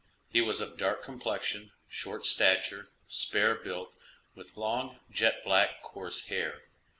He was of dark complexion, short stature, spare built, with long, jet black, coarse hair.